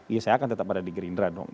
ya saya akan tetap ada di gerindra dong